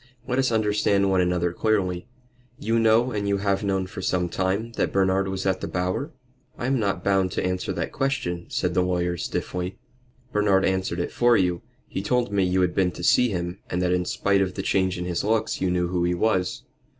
"Let us understand one another clearly. You know, and you have known for some time, that Bernard was at the Bower?" "I am not bound to answer that question," said the lawyer, stiffly. "Bernard answered it for you. He told me you had been to see him, and that in spite of the change in his looks you knew who he was."